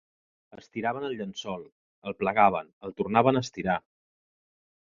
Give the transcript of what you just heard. Estiraven el llençol, el plegaven, el tornaven a estirar...